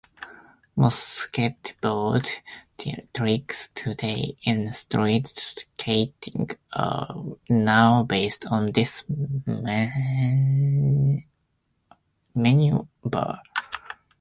Most skateboard tricks today in street skating are now based on this maneuver.